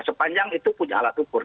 sepanjang itu punya alat ukur